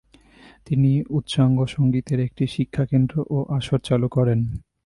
তিনি উচ্চাঙ্গসঙ্গীতের একটি শিক্ষাকেন্দ্র ও আসর চালু করেন।